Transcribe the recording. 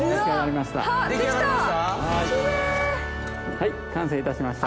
はい完成いたしました。